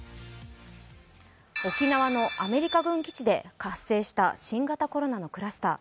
沖縄のアメリカ軍基地で発生した新型コロナのクラスター。